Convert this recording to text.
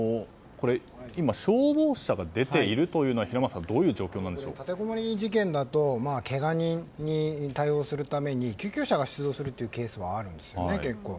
消防車が出ているというのは平松さん、今これは立てこもり事件だとけが人に対応するために救急車が出動するケースはあるんですよね。